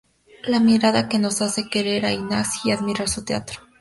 La mirada que nos hace querer a Ignasi y admirar su teatro.